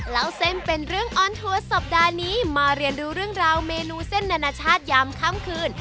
เล่าเส้นเป็นเรื่องออนทัวร์สัปดาห์นี้มาเรียนดูเรื่องราวเมนูเส้นนานาชาติยามค่ำคืน